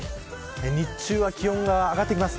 日中は気温が上がってきます。